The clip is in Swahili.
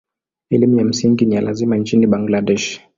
Elimu ya msingi ni ya lazima nchini Bangladesh.